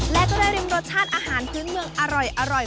และก็ได้ริมรสชาติอาหารพื้นเมืองอร่อย